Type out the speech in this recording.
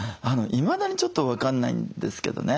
いまだにちょっと分かんないんですけどね